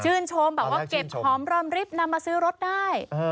ชื่นชมบอกว่าเก็บหอมร่อนริฟต์นำมาซื้อรถได้